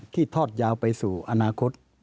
ทอดยาวไปสู่อนาคต